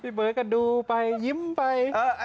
เบิร์ตก็ดูไปยิ้มไป